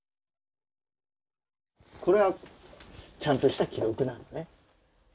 これはちゃんとした記録なのね。